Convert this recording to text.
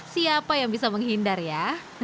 siapa yang bisa menghindar ya